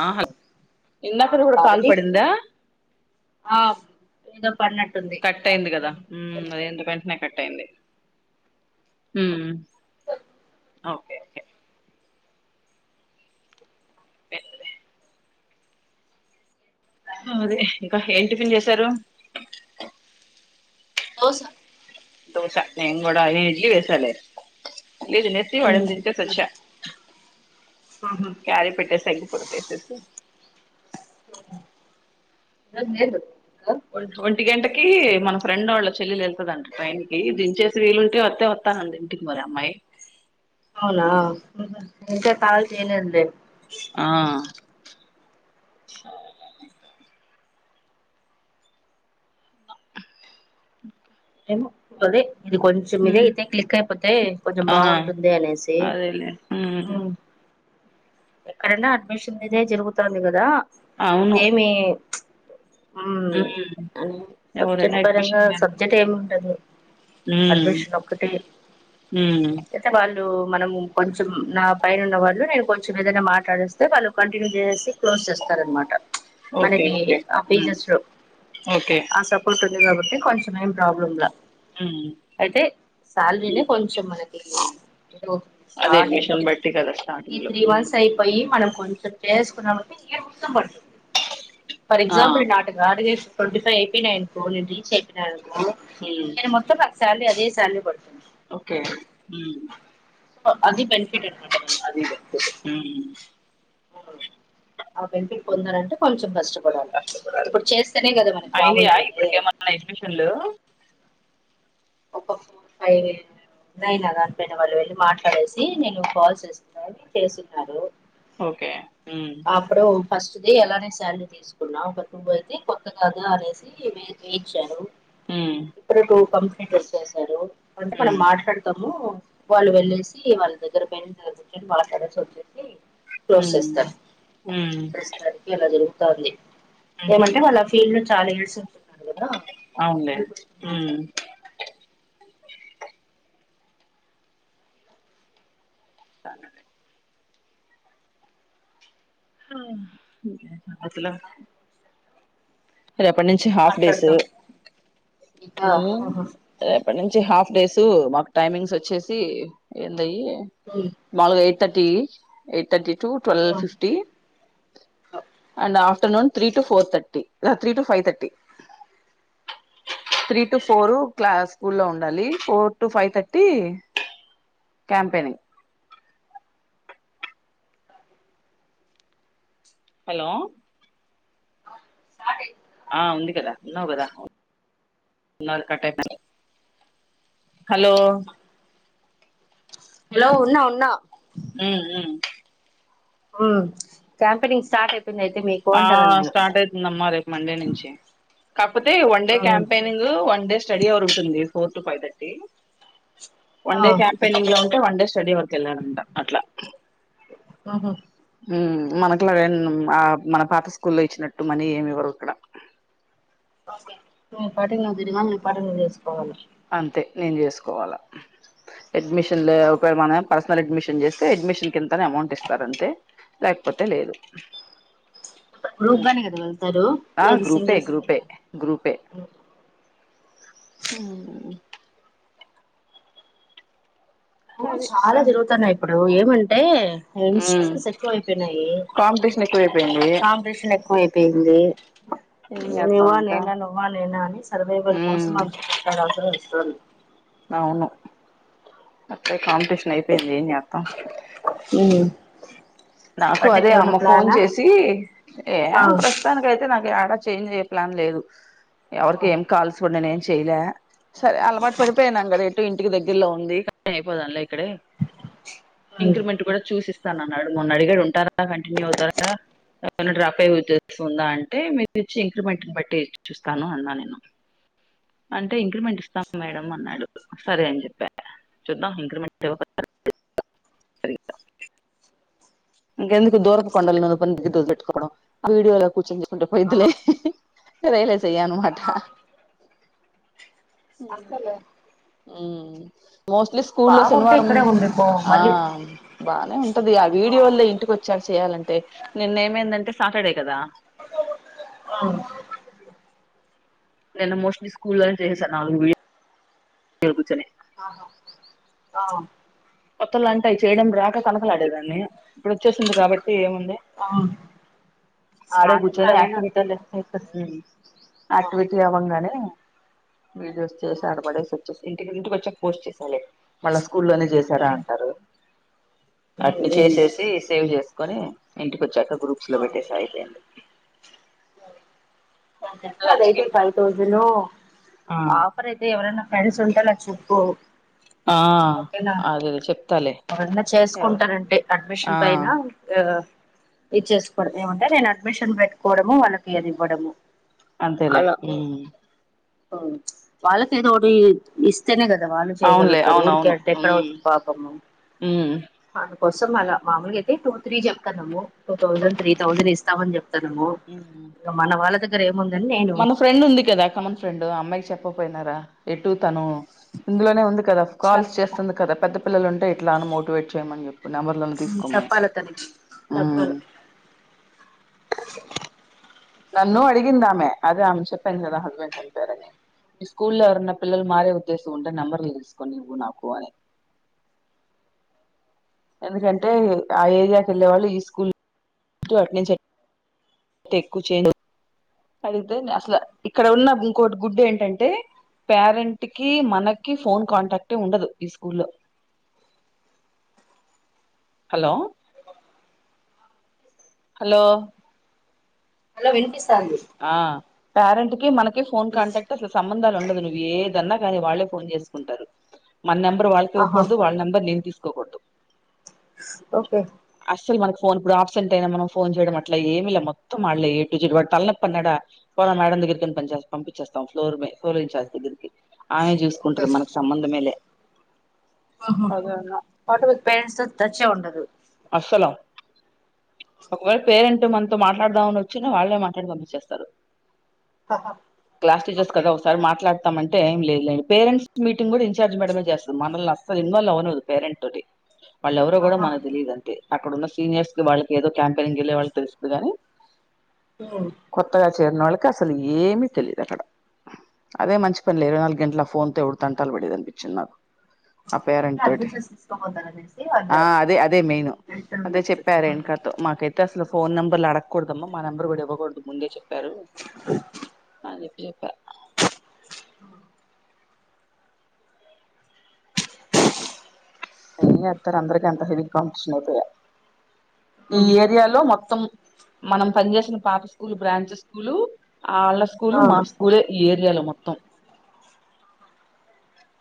ఆ ఆ ఇన్నాకద కూడా కాబట్టి కల్పడింద ఆ ఏదో పడినట్టుంది కట్ అయింది నాకైతే కదా ఏమి వినిపించలే అద ఎందుకంటనే కట్ అయింది ఓకే ఓకే అదే ఇంకా ఏంటి పిన్ చేశారు దోస దోస నేం కూడాడ ఇడ్లీ వేసాల [unintelligible] కారీ పెట్ట సంగ పర తెస అ ఒ ఒంటి గంటకి మన ఫ్రెండ్ వాళ్ళ చెల్లి వెళ్తుందింట ట్రైన్ కి దించచేసి వీలుంటే వస్తే వస్తానండి ఇంటికి మరి అమ్మాయి అవునా ఎకా కాల చేయలేందే ఆ [inaudible] మ అదే ఇది కొంచం ఇదే అయితే క్లిక్ అయిపోతే కొంచెం బాగుంటుంది అనేసి అదేలే ఆ ఉమ్ ఎక్కడన్నా అడ్మిషన్ ఇదే జరుగుతుంది కదా అవును ఇదేమి ఉ ఉమ్ అని సబ్జెక్ట్ ఎవరైనా పరంగా ఎడ్మిషన్ సబ్జెక్ట్ ఏమి ఉండదు ఉమ్ అడ్మిషన్ ఒకటి హ్మ్. మనం కొంచెం నా పైన ఉన్న వాళ్ళు నేను కొంచ కొంచం ఏదైనా మాట్లాడిస్తే వాళ్ళు కంటిన్యూ చేసి క్లోజ్ చేస్తారనమాట ఓకే. మనకి ఓకే. ఆ హ్మ్. Pages okay. ఆ స ఇబట్టి కొంచమేం ప్రాబ్లం హ్మ్. అయితే శాలరీనే హ్మ్. కొంచెం మనకి అదే స్ార్ంగ్ లో అడ్మిషన్ బట్టి కదా స్టార్టింగ్‌లో. హ్మ్. వన్స్ అయిపోయి మనం కొంచెం చేసుకున్నామంటేష్టం పడు ఫార్ ఆ! ఎక్జాంపుల్ ఈ నాటుకుడుగ twenty five IP nine రీచ్ఐపీ nine హ్మ్. నేను మొత్తం ఒక సాలరీ అదే సాలరీ పడుతున్నా ఓకే ఉ అది బెనిఫిట్ అ అది ఆ బెనిఫిట్ పొందాలంటే కొంచెం కష్టం డి కష్టపడాలి. ఇప్పుడు చేస్తేనే కదా మనకి అయినాయా మామూలుగా అైతే ఇప్పటికేమన్నా అడ్మిషన్‌లు? ఒ పై నయినా దానిపైన వాళ్ళు వెళ్ళి మాట్లాడేసి నేను కాల్ చేసుకున్నా చేస్తున్నారు ఓకే హ్మ్. అప్పుడుో ఫస్ట్ది ఎలానే శాలరీ తీసుకున్నా ఒక టూవ అయితే కొక్క కదా అనేసి వేయిచ్చారు హ్మ్. ఇప్పుడు టూ కంప్యూటర్ చేశారు అంటే మనం హ్మ్. మాట్లాడుతాం వాళ్ళు వెళ్ళేసి వాళ్ళ దగ్గర పైన కూని మాట్లాడాల్సి వచ్చేసి ప్రోసెస్ అ జరుగుతుంది ఏమంటే వాళ్ళు ఆ ఫీల్డ్ లో చాలా ఏల్స్ వంది అవులే ఉ స [unintelligible] [inaudible] రేపటి నుంచి హాఫ్ డేస్ మాట్లాడదాం ఇంకా ఇప్పటి నుంచి హాఫ్ డేస్ మాకు టైమింగ్స్ వచ్చేసి ఏందయ్యి మాాలుగు ఎయిట్ థర్టీ ఎయిట్ థర్టీ ట twelve fifty and afternoon three to four thirty three to five thirty three to four క్లా స్కూ లో ఉండాలి four to five thirty campaigning [inaudible] hello ఆది ఆ ఉంది కదా ఉన్నావు కదా ఉ కట్ అయి హలో హలో ఉన్నా ఉన్నా ఉ ఉ క్యాంపెనింగ్ స్టార్ట్ అయిపో న్న అయితే ఆ మీకుంటారా నేను స్టార్ట్ అవుతుందమ్మా రేపు మండే నుంచి కాకపోతే one day campaigning one day study hour ఉంటుంది four to five thirty one day campaigning లో ఉంటే వన్ డే స్టడీ వర్క్ వెళ్ళాలంటా అట్లా మ్మ్ మనకులా ఆ మన పాత స్కూల్లో ఇచ్చినట్టు మనీ ఏమి ఇవ్వరు ఇక్కడ ని పాటికి నువ్ తిరగాలి ని పాటికి నువ్ చేసుకోవాలి అంతే నేను చేసుకోవాలా అడ్మిషన్లు ఒక మన పరిస అడ్మిషన్ చేస్తే అడ్మిషన్ కింత అని అమౌంట్ ఇస్తార అంతే లేకపోతే లేదు గ్రూపుగానే కదా వెళ్తారు ఆ లేదు గ్రూపే సింగిల్ సింగిల్ గ్రూపే గా మ్మ్ అది చాలా సం జరుగుతున్నాయ్ ఇప్పుడు ఏమంటే మ్మ్ ఇన్స్టిట్యూషన్స్ ఎక్కువ అయిపోయినాయి కాంపిటీషన్ ఎక్కువైపోయింది కాంపిటీషన్ ఎక్కువ అయిపోయింది మ్మ్ నువ్వా నేనా నువ్వా నేనా అని సర్వైవల్ కోసం మ్మ్ అందుకుట్లాడాల్సి వస్తుంది అవును అత్తే కాంపిటీషన్ అయిపొయింది ఎం చెత్తం మ్మ్ నాకు అదే అమ్మ ఫోన్ చేసి ఏ ఆ ప్రస్తుతానికైతే నాకు ఏడా చేంజ్ చేయ ప్లాన్ లేదు ఎవరిక ఏం కాల్సి కూడా నేను ఏం చెయలే సరే అలవాటు పడిపోయాను అక్కడ ఎటు ఇంటికి దగ్గరలో ఉంది అయిపోదంల ఇక్కడే ఇంక్రిమెంట్ కూడా చూసిస్తాన అన్నాడు మొన్న అడిగాడు ఉంటారా కంటిన్యూ అవుతారా ఏమనా డ్రాప్ అయ్యే ఉద్దేసం ఉందా అంటే మీరు ఇచ్చి ఇంక్రిమెంట్ని బట్టి చూస్తాను అన్నా నేను అంటే ఇంక్రిమెంట్ ఇస్తాం మేడం అన్నాడు సరే అని చెప్పా చూద్దాం ఇంక్రిమెంట్ ఇవ్వకపోతె [unintelligible] సరిగా ఇంకెందుకు దూరపు కొండలను [unintelligible] పెట్టుకోవడం వీడియోలా కూర్చనించుకుంటే పోయిదులే రియలైజ్ అయ్యా అనమాట అంతేలే మ్మ్ మోస్ట్లీ స్కూల్లో బాగుంటే శనివారం ఇక్కడే ఉండిపో ఆ మళ్ళీ బానే ఉంటది ఆ వీ వీడియో వళ్లే ఇంటికోచ్చారు చెయాలంటే నిన్న ఏమేందంటే సాటర్డే కదా ఆ నేను మోస్ట్లీ స్కూల్లోనే చేసేసా నాలుగు లొ కూర్చొని కొత్తలు అంటె చేయడం రాక తనకలాడేదాన్ని ఇప్పుడు వచ్చేసింది కాబట్టి ఏముంది ఆ ఆడే స్టార్టింగ్ కూర్చొని అదేనా యాక్టివిటీ అంతేలే నీకు మ్మ్ యాక్టివిటీ అవ్వంగానే వీడియోస్ చేసి ఆడపడేసి వచ్చే ఇకి ఇంటికి వచ్చే పోస్ట్ చేసాలి మళ్ళ స్కూల్లోనే చే జరా అంటారు అటిని చేసేసి సేవ్ చేస్త కని ఇంటికి వచ్చాక గ్రూప్స్ లో పెట్టేస అయిపోయింది నాకు లంచ్ అదైతే కి ఫైవ్ థౌజండ్ ను ఆ ఆఫర్ అయితే ఎవరైనా ఫ్రెండ్స్ ఉంటాలా చెప్పు ఆ ఓకేనా అదేలే చెప్తాలే ఎరన్నా చేసుకుంటారంటే ఆ అడ్మిషన్ పైన ఆ ఇచ్చేసుకోవడం ఏమంటే నేను అడ్మిషన్ పెట్టుకోవడము వాళ్ళకి ఇది ఇవ్వడము అంతేలే అలా మ్మ్ వాళ్ళకి ఏదోటి ఇస్తేనే గ వాళ్ళు అవునులే చేయగలుగుతారు ఊరుకె అవునవును ఎక్కడ ఉమ్ వచ్చ పాపము కోసం అలా మామూలుగా అతే టూ త్రీ చెప్తానుమ్ము టూ థౌసండ్ త్రీ థౌసండ్ ఇస్తామని చెప్తానము ఉమ్ ఇంకా మన వాళ్ళ దగ్గర ఏముం మన ఫ్రెండ్ ఉంది కదా కమన్ ఫ్రెండ్ అమ్మాయికి చెప్పకపోయినారా ఎటు తను ఇందులోనే ఉంది కదా కాల్స్ చెప్ప చేస్తుంది కదా పెద్ద పిల్లలు ఉంటే ఇట్లా అని మోటివేట్ చేయమని చెప్ప చప్పాల తనే చప్పాలు ఉమ్ నన్నూ అడిగిందామే అదే ఆమె చెప్పా కదా హస్బెండ్ చనిపోయారని మీ స్కూల్లో ఎవరన్న పిల్లలు మారే ఉద్దేశం ఉంటే నంబర్లు తీసుకొనివ్వు నాకు అని ఎందుకంటే ఆ ఏరియాకి వెళ్ళే వాళ్ళు ఈ స్కూల్ టీ అటు నుంచి టెక్కు చేదు అడిగితే అసలు ఇక్కడ ఉన్న ఇంకోటి గుడ్డు ఏంటంటే పేరెంట్ కి మనకి ఫోన్ కాంటాక్ట్ ఉండదు ఈ స్కూ లో హలో హలో హలో వినిపిస్ ఆ పేరెంట్ కి మనకి ఫోన్ కాంటాక్ట్ అసలు సంబంధాలు ఉండ నువ్వు ఏదన్నా కానీ వాళ్ళే ఫోన్ చేసుకుంటారు మన నెంబర్ వాళకి ఆహా ఇవ్వూడదు వాళ్ళ నెంబర్ నేను తీసుకు కోకుడదు ఓకే అస మనకు ఫోన్ ఇప్పుడు ఆబ్సెంట్ అయినా మనం ఫోన్ చేయడం అట్లా ఏమిలా మొత్తం వాళ్లే ఏ టు జ వాడ్ తలనప్పన్నాడ పో మేడం దగ్గరి పంపించేస్తాం ఫ్లోర్ ఫ్లోర్ ఇంచార్జ్ దగ్గరికి ఆమె చూస్ ఓకే కుంటది మన సంబంధంమే లే అదే అన్న అట్ విత్ పేరెంట్స్ తచ్చే ఉండదు అస్సలం ఒకవేళ పేరెంట్ మనతో మాట్లాడదామని వచ్చిన వాళ్ళే మాట్లాడ పంపించేస్తారు ఆహా క్లాస్ టీచర్స్ కద ఒకసారి మాట్లాతాం అంటే ఏం లేదు లేండి పేరెంట్స్ మీటిన్గ్ కూడా ఇన్ర్జ్ మేడమే చేస్తది మనల్ని అసలు ఇంగోల్ అవురు పేరెంట్ తోటి వాళ్ళ ఎవరో కూడా ఆహా మన అంతే అక్కడన్న సీనియర్స్ కి వాళ్ళకి ఏదో క్యాంపయినింగ్ వెళ్ళి వాళ్ళకి తెలుస్తుంది గాని ఒ చేర్నళ్ళకి అసలు ఏమి తెలియదు అక్కడ అదే మంచి పనులే ఇరవై నాలుగు గంటల ఆ ఫోన్ త ఎడుతంటాలు పడిది అనిపించింది నాకు అ పరెం తోటి అడ్మిషన్స్ తీసుకోపోతారనేసి వాళ్ళు ఆ అదే అది నేను తెలిసే అదే ఉండొచ్చు చెప్పా రేణుకతో మాకైతే అస అసలు ఫోన్ నెంబర్లు అడగకూడదమ్మా మా నెంబర్ కూడా ఇవ్వకూడదు ముందే చెప్పారు ఆ చెప్పి చెప్ప అ అ జెతారు అందరిక అంత హెవి కాంపిషన్ అవుపోయా ఈ ఉమ్. ఏరియాలో మొత్తం మొత్తం మనం పని చేేసిన పాత స్కూలు బ్రాంచ్ స్కూలు ఆ వాళ్ళ స్కూల్ ఆ మా స్కూలే ఈ ఏరియాలో మొత్తం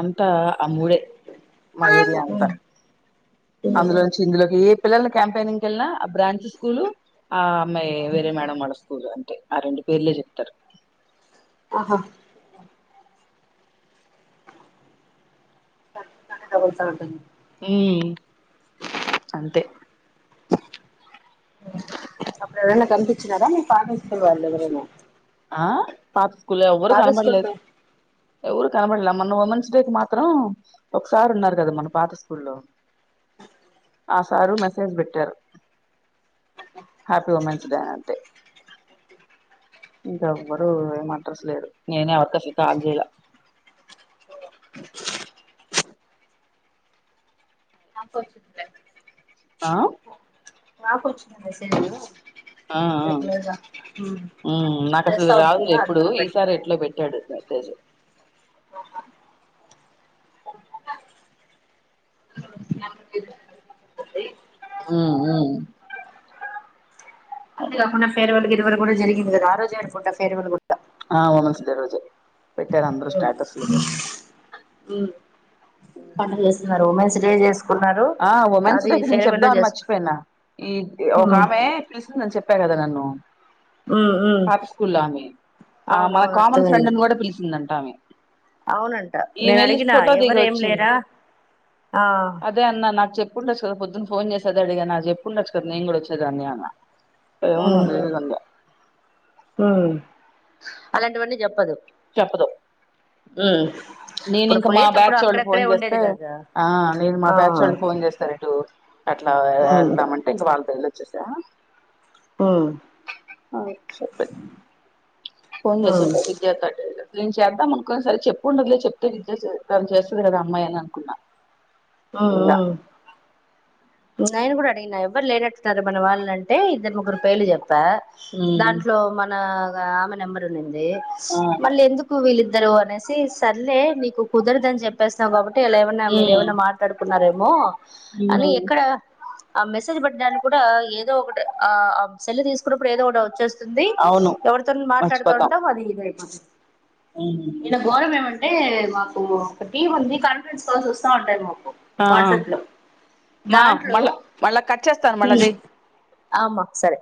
అంతా ఆ మూడే మేరియా పోన్ అందులో నుంచి ఇందులోకి పిల్లల క్యాంపెయినింగ్కి వెళ్ళినా ఆ బ్రాంచ్ స్కూల్ ఆ అమ్మాయి వేరే మేడం వాడస్తురు అంటే ఆ రెండు పేర్లే చెప్తారు ఆహా కదూల్తా ఉంటుంది మీ అంతే అప్పుడు ఎవరన్న కనిపిచన్నారా మీ [unintelligible] ఎవరును ఆ పాత స్కుల్ లో ఎవ్వరు స్కూల్ కనపడలేదు పే ఎవరు కనబడలే మన ఉమెన్స్ డేకి మాత్రం ఒకసారి ఉన్నారు కదా మన పాత స్కూల్లో అ ఆ సారు మెసేజ్ పెట్టారు హ్యాపీ ఉమెన్స్ డే అంటే ఇంకా ఎవ్వరు ఏం అడ్రెస్ లేరు నేన్ ఎవరితో స్టార్ట్ చేయ ఆ నాకు వచ్చంది మెసేజ ఆ ఆ రెగ్యలర్ గా నాకు అసలు చేస్తా ఉంటారు రాదు ఎప్పుడు అందుకే పెట్టింది ఈసారి ఎట్లో పెట్టాడు జస్ట్ ఆ ఆ అంతే కాకుడా ఫేర్వల్కి ఇరకూడా జరిగింది కదా ఆ రజు అనుంటా ఫేర్వల్లు కూడా ఆ ఉమెన్స్ డేడ్ రోజే పెట్టారు అందరుూ స్టాటస్లు పడు చేస్తున్నారు ఉమెన్స్ డే చేసు ఆ ఉమెన్స్ దగ్గర నేను చెప్దాం అని చేసుకున్నారు మర్చిపోయినా ఈ ఒక ఉమ్ ఆమె పిలిసింది అనిచెప్పా కదా నన్ను ఉమ్ ఉమ్ పాత స్కూల్లో ఆమె ఆ మన అవునవును కామన్ అర్థమైంది ఫ్రెండ్ని కూడా పిలిసిందంట ఆమె అవునంట ఈమె నేను వెళ్ళి అడిగినా ఫోటో దిగి ఎవరు ఏం లేరా వచ్చింది ఆ అదే అన్నా నాకు చెప్ప ఉండచ్చ కదా పొద్దున్న ఫోన్ చేసేది అడిగా నా చెప్పండచ్చు కదా నే కూడా వచ్చేాన్ని అన్న ఏవునా ఉమ్ అదే కంద అలాంటివన్నీ చెప్పదు చెప్పదు ఉ నేను ఇంక మా బ్యాచ్ వాళ్ళు ఫోన్ చేస్తే కదా ఆ నేను మా ఆ బ్యాచ్ వాళ్ళు ఫోన్ చేస్తారు ఇటు అట్లా ఉమ్ వెళ్దామంటే ఇంకా వాళ్ళు తెలియ వచ్చసా హ అ చెప్ప ఉమ్ [unintelligible] విద్యార్థ అ ట నేను చేద్దాం అనుకోొని సరే చెప్పు ఉండదులే చెప్తే విజ తను చేస్తుంది కదా అమ్మాయి అని అనుకున్నా ఆ చూడ్లా ఆ నైను కూడా అడిగినా ఎవరు లేట్టుతారారు మన వాళ్ళంట అంటే ఇద్దరు ముగ్గురు పేళ చెప్పా ఉమ్ దాంట్లో మన ఆమె నెంబర్ ఉన్నింది ఆ మళ్ళీ ఎందుకు వీళ్ళిద్దరు అనేసి సర్లే నీకు కుదరదుని చెప్పేసావు కాబట్టి అంటేలా ఏమన్నా ఉమ్ మీరేమైన్నా మాట్లాడుకున్నారేమో అని ఉమ్ ఎక్కడ ఆ మెసేజ్ పెట్టడానికి కూడా ఏదో ఒకటి సెల్లి తీసుకున్నప్పుడు ఏదో ఒకటి వచ్చే అవును ఎవరితో మాట్లాడుతూ మర్చిపోతాం ఉంటో అది ఇద అైపోతుంది ఉమ్ ఈన్న ఘోరం ఏమంటే మాకు ఒక టీవీ ఉంది కాన్ఫరెన్స్ కాల్ చూస్తా ఉంటారు మాకు ఆ వాట్సాప్ లో మా దాంట్లో మళ్ళా మళ్ళా కట్ చేస్తాను మల్ల చెయ్ మరి సరే